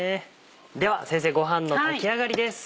では先生ごはんの炊き上がりです。